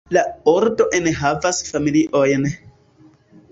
La ordo enhavas familiojn.